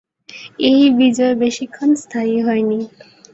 এই বিজয় বেশিক্ষণ স্থায়ী হয়নি।